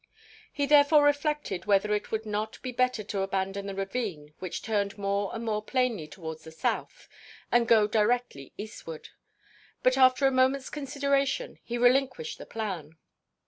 He therefore reflected whether it would not be better to abandon the ravine which turned more and more plainly towards the south and go directly eastward. But after a moment's consideration he relinquished the plan.